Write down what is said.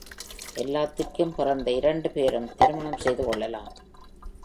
எல்லாத்திற்கும் பிறகு இரண்டு பேரும் திருமணம் செய்து கொள்ளலாம்.